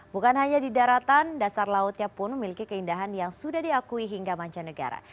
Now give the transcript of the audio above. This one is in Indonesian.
bukan hanya di daratan dasar lautnya pun memiliki keindahan yang sudah diakui hingga mancanegara